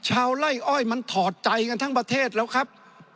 ชาวไล่อ้อยมันถอดใจกันทั้งประเทศแล้วครับ